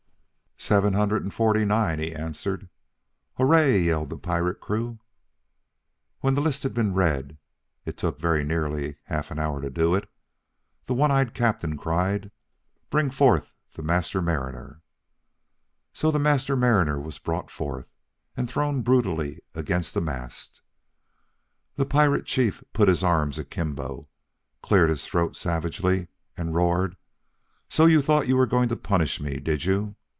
"Seven hundred and forty nine," he answered. "Hooray!" yelled the pirate crew. When the list had been read (it took very nearly half an hour to do it) the one eyed captain cried, "Bring forth the Master Mariner!" So the Master Mariner was brought forth, and thrown brutally against a mast. The pirate chief put his arms akimbo, cleared his throat savagely, and roared, "So you thought you were going to punish me, did you!